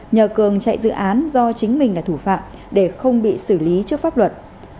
nhờ cường chạy dự án do chính mình là thủ phạm để không bị xử lý trước pháp luật